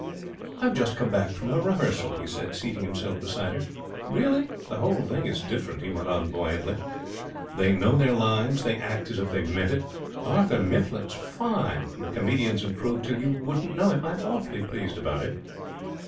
'I've just come back from a rehearsal,' he said, seating himself beside her. 'Really?' 'The whole thing is different,' he went on, buoyantly. 'They know their lines. They act as if they meant it. Arthur Mifflin's fine. The comedian's improved till you wouldn't know him. I'm awfully pleased about it.'